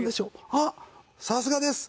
あっさすがです。